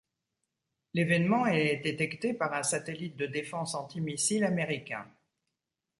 L’évènement est détecté par un satellite de défense antimissile américain.